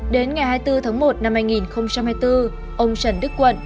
đến ngày hai mươi bốn tháng một năm hai nghìn hai mươi bốn ông trần đức quận